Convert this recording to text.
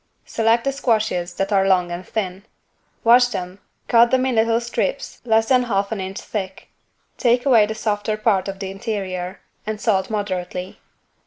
Select the squashes that are long and thin: wash them cut them in little strips less than half an inch thick. Take away the softer part of the interior and salt moderately.